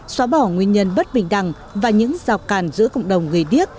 xóa bỏ nguyên nhân bất bình đẳng và những rào càn giữa cộng đồng người điếc